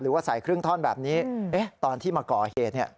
หรือว่าใส่เครื่องท่อนแบบนี้ตอนที่มาก่อเหตุ